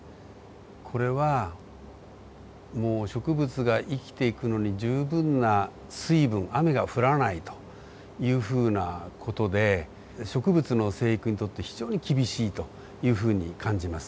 これはもう植物が生きていくのに十分な水分雨が降らないというふうな事で植物の生育にとって非常に厳しいというふうに感じます。